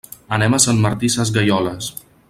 Anem a Sant Martí Sesgueioles.